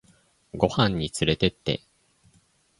ご飯につれてって